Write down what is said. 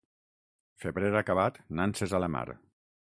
Febrer acabat, nanses a la mar.